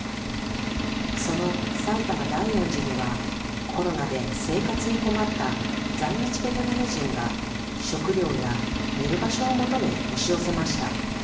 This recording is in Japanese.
その埼玉大恩寺には、コロナで生活に困った在日ベトナム人が食料や寝る場所を求め、押し寄せました。